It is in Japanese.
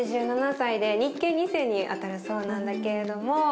８７歳で日系二世にあたるそうなんだけれども。